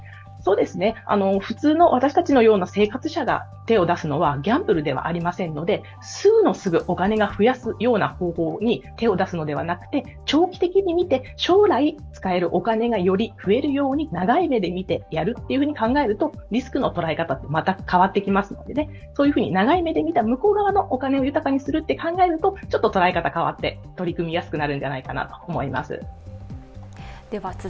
普通の私たちのような生活者が手を出すのはギャンブルではありませんので、すぐお金を増やすような方法に手を出すのではなく、長期的に見て将来使えるお金が増えるように長い目で見てやると考えるとリスクの捉え方がまた変わってきますのでそういうふうに長い目で見た、向こう側の目でみたお金を増やす考え方という捉え方が変わって取り組みやすくなるんじゃないかなと思います。